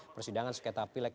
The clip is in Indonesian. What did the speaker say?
persidangan sekretar phpup